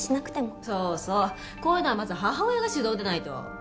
そうそうこういうのはまず母親が主導でないと。